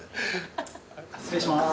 失礼します。